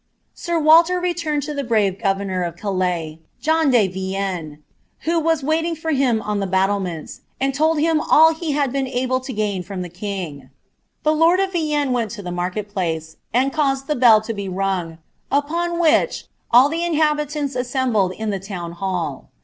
Sir Waller TCUirapd lu the brave governor of Calais, John de Vienue, who wa$ •rniUiig for him on lh« luttlemeuU, &nd told him all he had been able l» litn fruui the king, The lord of Vienne went lo the market plare, and Mused the bell lo be rung, upon which all the inhabiianis assembled in tfac tona 4iall.